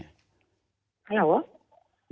เหล่า